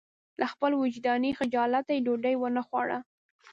له خپل وجداني خجالته یې ډوډۍ ونه خوړه.